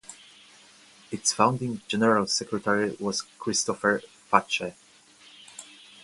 Its founding general secretary was Christopher Phatshwe.